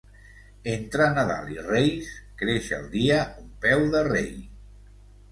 Entre Nadal i Reis creix el dia un peu de rei.